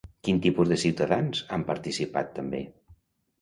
Quin tipus de ciutadans han participat també?